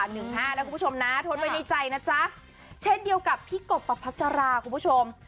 หนึ่งห้านะคุณผู้ชมนะทดไว้ในใจนะจ๊ะเช่นเดียวกับพี่กบประพัสราคุณผู้ชม